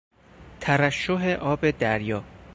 ترشح آب دریا